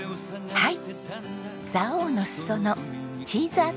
はい。